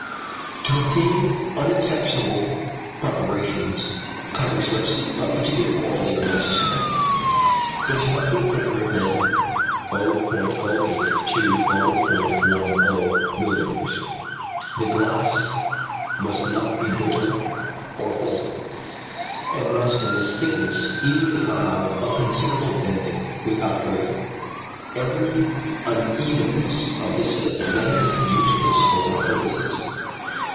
To obtain unexceptionable preparations cover slips of particular quality are necessary. They should not be thicker than 0.08 to 0.10 mm., the glass must not be brittle or faulty, and must in this thickness easily allow of considerable bending, without breaking. Every unevenness of the slip renders it useless for our purposes.